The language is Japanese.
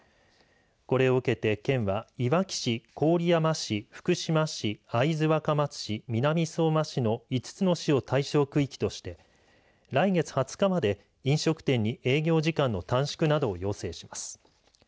これを受けて、県はいわき市、郡山市、福島市会津若松市南相馬市の５つの市を対象区域として来月２０日まで飲食店に営業時間の短縮などを要請します。